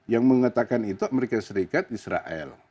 yang mengatakan itu amerika serikat israel